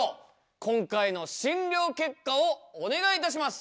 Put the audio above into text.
今回の診療結果をお願いいたします！